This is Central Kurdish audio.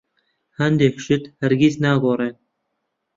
هەندێک شت هەرگیز ناگۆڕێن.